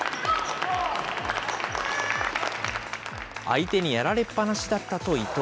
相手にやられっぱなしだったと伊藤。